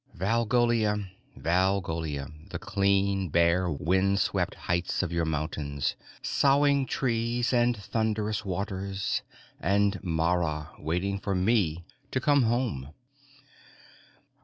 _Valgolia, Valgolia, the clean bare windswept heights of your mountains, soughing trees and thunderous waters and Maara waiting for me to come home!